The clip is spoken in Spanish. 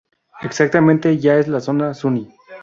Exactamente, ya en la zona suni.